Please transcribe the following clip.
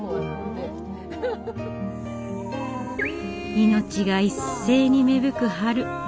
命が一斉に芽吹く春。